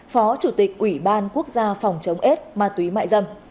phó chủ tịch ủy ban quốc gia phòng chống ết ma túy mại dâm